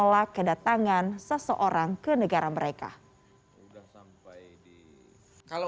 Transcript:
menolak kedatangan seseorang ke negara mereka